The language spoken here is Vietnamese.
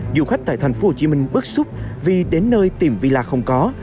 du khách tại thành phố hồ chí minh bức xúc vì đến nơi tìm villa không có